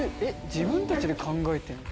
自分たちで考えてるの？